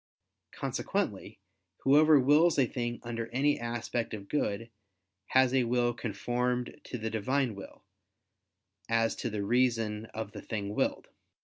Consequently whoever wills a thing under any aspect of good, has a will conformed to the Divine will, as to the reason of the thing willed.